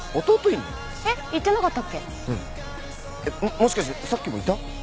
もしかしてさっきもいた？